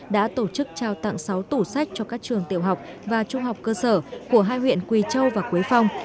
đã tổ chức trao tặng sáu tủ sách cho các trường tiểu học và trung học cơ sở của hai huyện quỳ châu và quế phong